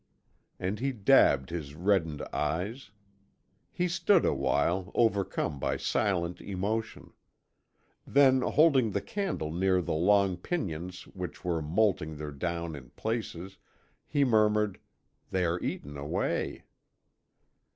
And he dabbed his reddened eyes. He stood awhile, overcome by silent emotion. Then, holding the candle near the long pinions which were moulting their down in places, he murmured, "They are eaten away."